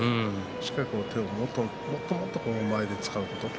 しっかり手をもっともっと前で使うこと。